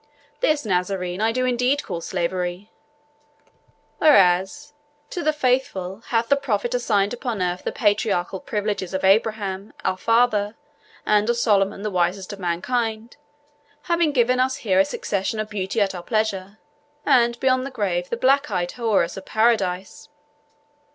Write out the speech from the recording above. This, Nazarene, I do indeed call slavery; whereas, to the faithful, hath the Prophet assigned upon earth the patriarchal privileges of Abraham our father, and of Solomon, the wisest of mankind, having given us here a succession of beauty at our pleasure, and beyond the grave the black eyed houris of Paradise."